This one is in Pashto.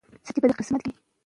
ډاکټران ژر درملنه پیلوي.